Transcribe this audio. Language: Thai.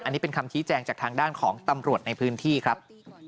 อันนี้เป็นคำชี้แจงจากทางด้านของตำรวจในพื้นที่ครับ